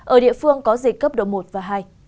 ở địa phương có dịch cấp độ một và hai